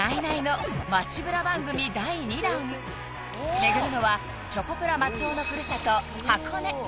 巡るのはチョコプラ松尾の故郷箱根